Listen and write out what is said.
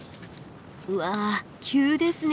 うわ急ですね。